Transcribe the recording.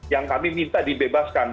yang kami minta dibebaskan